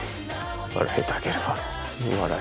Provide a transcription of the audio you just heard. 笑いたければ笑え。